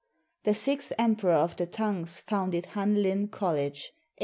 The sixth emperor of the Tangs founded Han lin College (a.